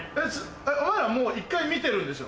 お前らもう１回見てるんでしょ？